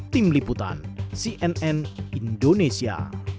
tim liputan cnn indonesia